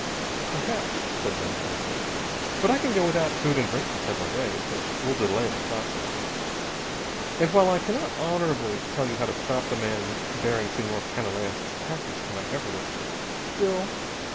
"Perhaps," said Bell blandly: "but I can go without food and drink for several days, which will delay the process. And while I cannot honorably tell you how to stop the man bearing Senhor Canalejas' package to my government, still